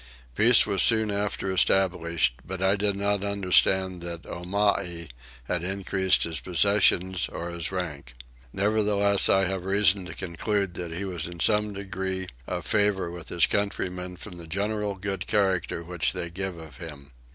Peace was soon after established, but I did not understand that Omai had increased his possessions or his rank. Nevertheless I have reason to conclude that he was in some degree of favour with his countrymen from the general good character which they give of him.